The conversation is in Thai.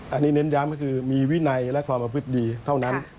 อันนี้เน้นย้ำก็คือมีวินัยและความประพฤติดีเท่านั้น